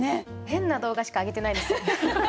変な動画しか上げてないです。